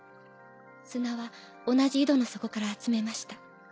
砂は同じ井戸の底から集めました。